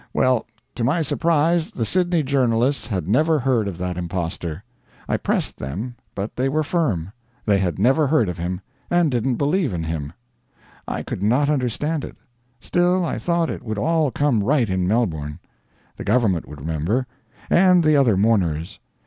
Well, to my surprise the Sydney journalists had never heard of that impostor! I pressed them, but they were firm they had never heard of him, and didn't believe in him. I could not understand it; still, I thought it would all come right in Melbourne. The government would remember; and the other mourners.